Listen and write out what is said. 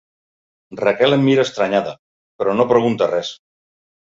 Raquel em mira estranyada, però no pregunta res.